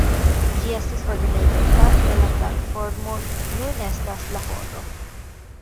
Ĝi estis organizita de la platformo Nun estas la horo.